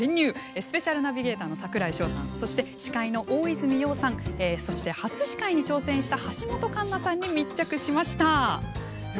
スペシャルナビゲーターの櫻井翔さんそして司会の大泉洋さんそして初司会に挑戦した橋本環奈さんに密着しました。